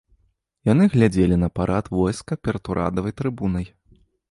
Яны глядзелі на парад войска перад урадавай трыбунай.